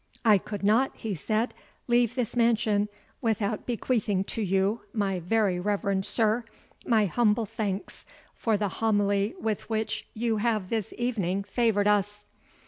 "I could not," he said, "leave this mansion without bequeathing to you, my very reverend sir, my humble thanks for the homily with which you have this evening favoured us."